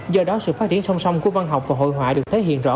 do đó sự phát triển song song của văn học và hội họa được thể hiện rõ